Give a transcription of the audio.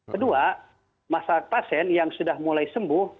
kedua masalah pasien yang sudah mulai sembuh